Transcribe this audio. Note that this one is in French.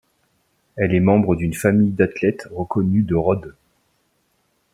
Elle est membre d'une famille d'athlètes reconnus de Rhodes.